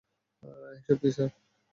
এসব কী, স্যার?